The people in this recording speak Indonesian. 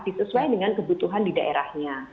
disesuaikan dengan kebutuhan di daerahnya